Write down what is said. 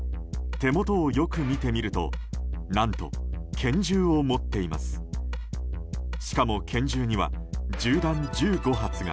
手元をよく見てみると何と拳銃を持っています。